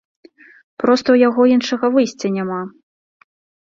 Проста ў яго іншага выйсця няма!